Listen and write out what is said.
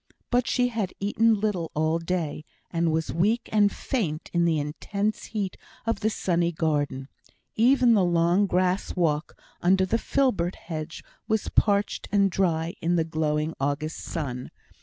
But she had eaten little all day, and was weak and faint in the intense heat of the sunny garden. Even the long grass walk under the filbert hedge, was parched and dry in the glowing August sun.